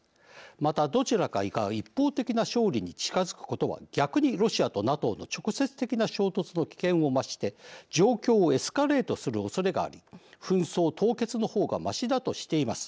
またどちらかが一方的な勝利に近づくことは逆にロシアとＮＡＴＯの直接的な衝突の危険を増して状況をエスカレートするおそれがあり紛争凍結の方がましだとしています。